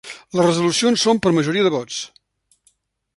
Les resolucions són per majoria de vots.